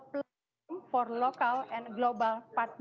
karena mereka memiliki penghantaran